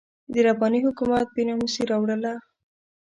د رباني حکومت بې ناموسي راواړوله.